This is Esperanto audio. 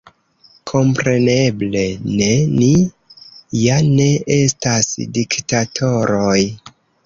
Kompreneble ne – ni ja ne estas diktatoroj!